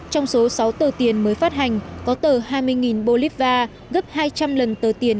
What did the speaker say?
trong số sáu tờ tiền mới phát hành có tờ hai mươi bolivar gấp hai trăm linh lần tờ tiền